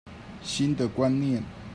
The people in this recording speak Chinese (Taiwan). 新的觀念